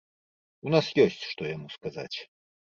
У нас ёсць, што яму сказаць.